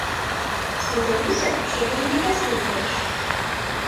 Спадзяюся, што ты мяне паслухаеш.